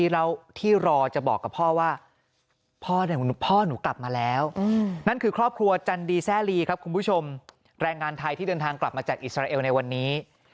แรงงานไทยที่เดินทางกลับมาจากอิสราเอลในวันนี้